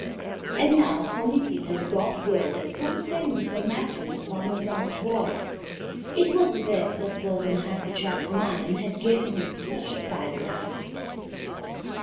And now Tommy Tit had brought word that some thing was the matter with Farmer Brown's boy. It was this that was on Happy Jack's mind and had given him such a bad night.